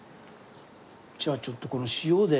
じゃあちょっとこの塩で。